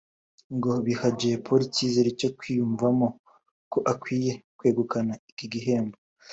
ngo biha Jay Polly icyizere cyo kwiyumvamo ko akwiye kwegukana iki gikombe